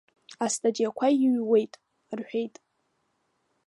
Астатиақәа иҩуеит, — рҳәеит.